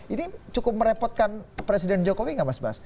ini cukup merepotkan presiden jokowi nggak mas bas